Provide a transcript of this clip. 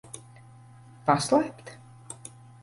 Paslēpt?